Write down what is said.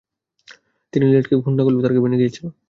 তুমি লিনেটকে খুন না করলেও তার কেবিনে গিয়েছিলে।